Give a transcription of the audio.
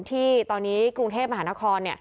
ที่ตอนนี้กรุงเทพมหานคร